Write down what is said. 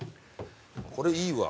これいいわ。